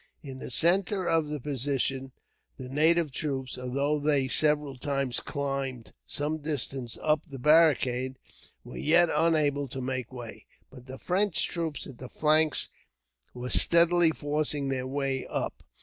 In the centre of the position the native troops, although they several times climbed some distance up the barricade, were yet unable to make way. But the French troops at the flanks were steadily forcing their way up.